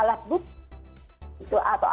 alat utama itu adalah alat bukti